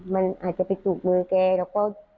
มันอาจจะไปจูบมือแกแล้วก็